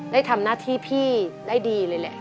ได้ทำหน้าที่พี่ได้ดีเลยแหละ